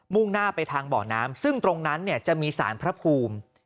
่งหน้าไปทางเบาะน้ำซึ่งตรงนั้นเนี่ยจะมีสารพระภูมิ